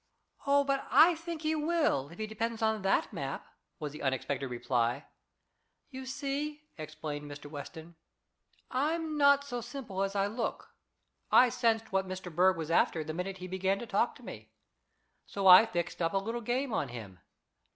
"Oh, but I think he will, if he depends on that map," was the unexpected reply. "You see," explained Mr. Weston, "I'm not so simple as I look. I sensed what Mr. Berg was after, the minute he began to talk to me. So I fixed up a little game on him.